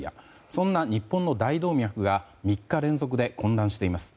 そんな日本の大動脈が３日連続で混乱しています。